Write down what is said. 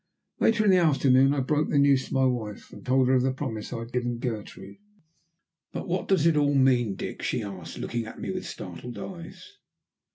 Later in the afternoon I broke the news to my wife, and told her of the promise I had given Gertrude. "But what does it all mean, Dick?" she asked, looking at me with startled eyes.